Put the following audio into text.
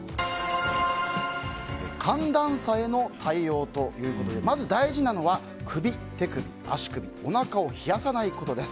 寒暖差への対応ということでまず大事なのは首、手首、足首、おなかを冷やさないことです。